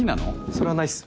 それはないっす。